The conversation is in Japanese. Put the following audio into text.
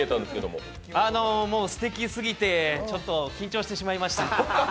もう、すてきすぎてちょっと緊張してしまいました。